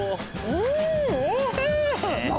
うんおいしい！